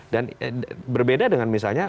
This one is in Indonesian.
dan berbeda dengan misalnya